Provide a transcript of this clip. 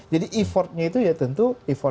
jadi effortnya itu tentu